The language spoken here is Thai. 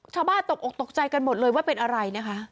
ตกอกตกใจกันหมดเลยว่าเป็นอะไรนะคะ